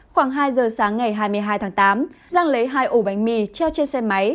khoảng hai giờ sáng ngày hai mươi hai tháng tám giang lấy hai ổ bánh mì treo trên xe máy